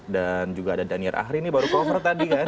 dan juga ada danier ahri nih baru cover tadi kan